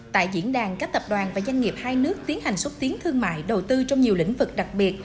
tại diễn đàn các tập đoàn và doanh nghiệp hai nước tiến hành xuất tiến thương mại đầu tư trong nhiều lĩnh vực đặc biệt